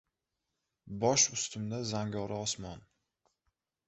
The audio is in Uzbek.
Bosh ustimda zangori osmon.